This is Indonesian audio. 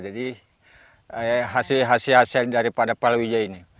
jadi hasil hasil hasilnya dari palawija ini